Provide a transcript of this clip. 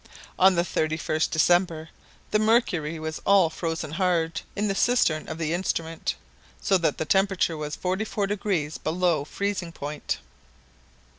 On the 31st December, the mercury was all frozen hard in the cistern of the instrument, so that the temperature was 44° below freezing point.